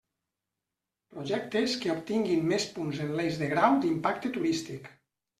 Projectes que obtinguin més punts en l'eix de grau d'impacte turístic.